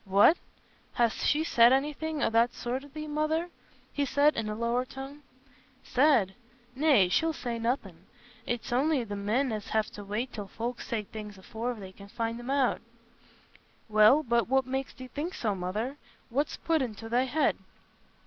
"What! Has she said anything o' that sort to thee, Mother?" he said, in a lower tone. "Said? Nay, she'll say nothin'. It's on'y the men as have to wait till folks say things afore they find 'em out." "Well, but what makes thee think so, Mother? What's put it into thy head?"